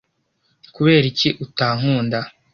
kubera iki utankunda?